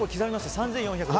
３４６０円。